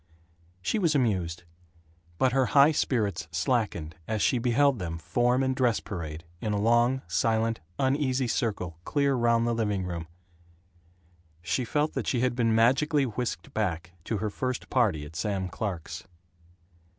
She was amused. But her high spirits slackened as she beheld them form in dress parade, in a long, silent, uneasy circle clear round the living room. She felt that she had been magically whisked back to her first party, at Sam Clark's.